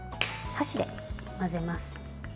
箸で混ぜます。